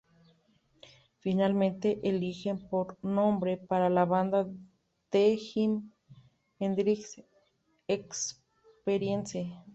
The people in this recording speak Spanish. Finalmente eligen por nombre para la banda The Jimi Hendrix Experience.